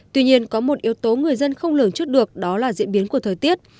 tuy nhiên có một yếu tố người dân không lường trước được đó là diễn biến của thời tiết